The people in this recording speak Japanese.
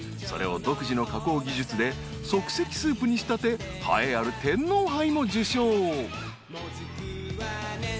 ［それを独自の加工技術で即席スープに仕立て栄えある天皇杯も受賞］